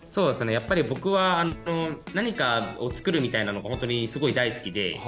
やっぱり僕はあの何かを作るみたいなのが本当にすごい大好きで。